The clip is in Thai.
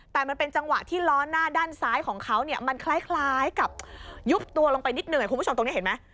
แต่มันเป็นจังหวะที่ล้อหน้าด้านซ้ายของเขาเนี่ยมันคล้ายกับยุบตัวลงไปนิดหนึ่งคุณผู้ชมตรงนี้เห็นไหม